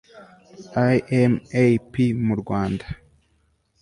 AM AP mu Rwanda